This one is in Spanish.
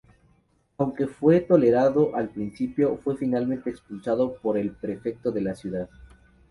Aunque fue tolerado al principio, fue finalmente expulsado por el prefecto de la ciudad.